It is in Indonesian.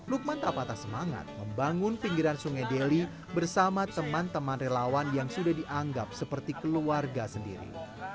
lukman tak patah semangat membangun pinggiran sungai deli bersama teman teman relawan yang sudah dianggap seperti keluarga sendiri